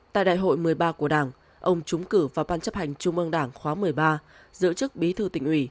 tại đại hội một mươi ba của đảng ông trúng cử vào ban chấp hành trung ương đảng khóa một mươi ba giữ chức bí thư tỉnh ủy